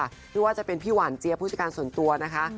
หรือว่าจะเป็นพี่หวานเจี๊ยผู้จัดการส่วนตัวนะคะ